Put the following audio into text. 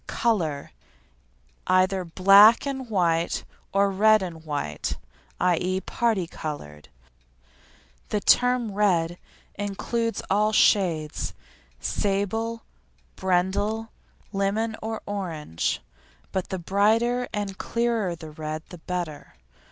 COLOUR Either black and white or red and white, i.e., parti coloured. The term red includes all shades, sable, brindle, lemon or orange, but the brighter and clearer the red the better.